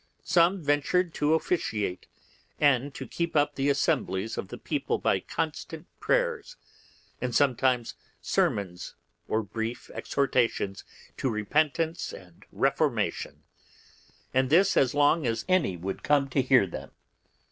Some ventured to officiate and to keep up the assemblies of the people by constant prayers, and sometimes sermons or brief exhortations to repentance and reformation, and this as long as any would come to hear them.